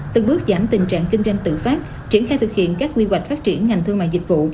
từng bước giảm tình trạng kinh doanh tự phát triển khai thực hiện các quy hoạch phát triển ngành thương mại dịch vụ